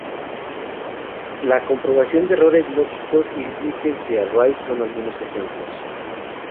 La comprobación de errores lógicos y límites de arrays son algunos ejemplos.